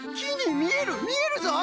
みえるぞい！